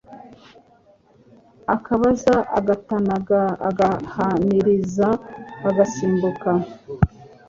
Akabaza agatanaga agahamiriza agasimbuka